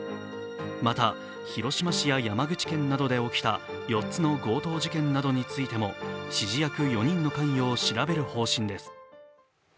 また広島市や山口県などで起きた４つの強盗事件などについても、指示役４人の関与を調べる方針です。